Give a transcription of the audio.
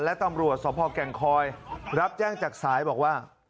และตำรวจสภแก่งคอยรับแจ้งจากสายบอกว่า